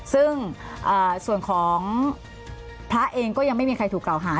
ซึ่งส่วนของพระเองก็ยังไม่มีใครถูกกล่าวหา